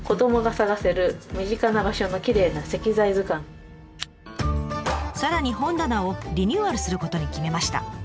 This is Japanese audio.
さらに本棚をリニューアルすることに決めました。